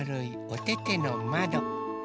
おててのまど。